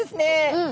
うん。